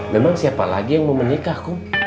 memang siapa lagi yang mau menikah kum